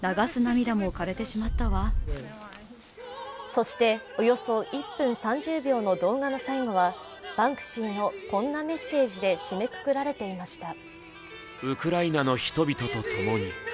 そして、およそ１分３０秒の動画の最後はバンクシーのこんなメッセージで締めくくられていました。